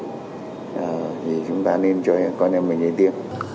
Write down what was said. thì chúng ta nên cho con em mình đi tiêm